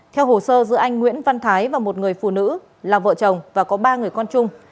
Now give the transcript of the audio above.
theo hồ sơ giữa anh nguyễn văn thái và một người phụ nữ là vợ chồng và có ba người con chung